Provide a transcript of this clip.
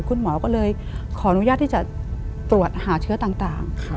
คุณหมอก็เลยขออนุญาตที่จะตรวจหาเชื้อต่าง